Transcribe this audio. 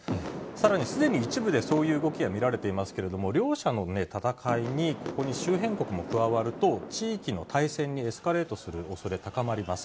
さらに、すでに一部でそういう動きが見られていますけれども、両者の戦いにここに周辺国も加わると、地域の大戦にエスカレートするおそれ高まります。